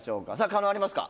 狩野ありますか？